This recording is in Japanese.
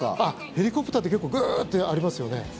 ヘリコプターって結構、グーッてありますよね。